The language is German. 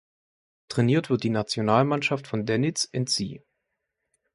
Trainiert wird die Nationalmannschaft von Deniz Ince.